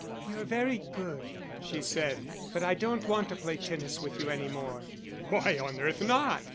"You're very good," she said, "but I don't want to play tennis with you any more." "Why on earth not?"